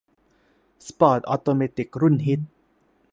สปอร์ตออโตเมติกรุ่นฮิต